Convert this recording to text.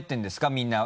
みんな。